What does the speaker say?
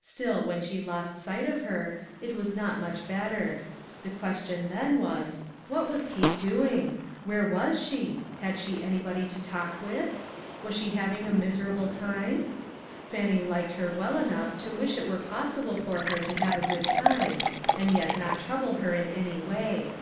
Still when she lost sight of her, it SOCIETY CIRCLES. 83 was not much better. The question then w;is: What was Kate doing? Where was she? Had she anybody to talk with? Was she having a miserable time? Fannie liked her well enough to wish it were possible for her to have a good time, and yet not trouble her in any way.